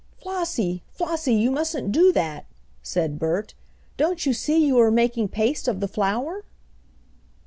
"Flossie! Flossie! You mustn't do that!" said Bert. "Don't you see you are making paste of the flour?"